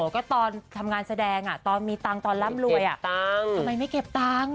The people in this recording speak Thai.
ก็ตอนทำงานแสดงตอนลำรวยทำไมไม่เก็บทำไมไม่เก็บตังข์